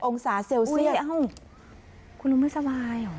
๔๐องศาเซลเซียน